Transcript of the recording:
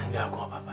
gak aku gak apa apa